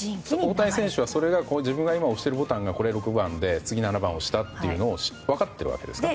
大谷選手は自分が今押してるボタンが６番で次は７番を押したと分かっているわけですね。